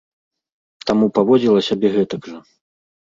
Таму паводзіла сябе гэтак жа.